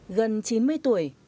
gần chín mươi tuổi